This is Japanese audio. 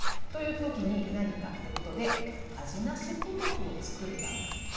という時に何かということで味なしポトフをつくれば？